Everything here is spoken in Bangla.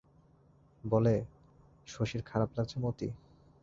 বলে, শশীর খারাপ লাগছে মতি?